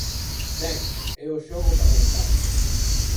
Ben, é o xogo parlamentario.